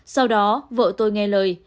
sau đó vợ tôi nghe lời